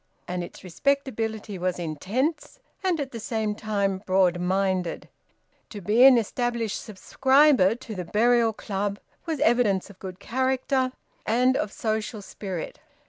And its respectability was intense, and at the same time broad minded. To be an established subscriber to the Burial Club was evidence of good character and of social spirit.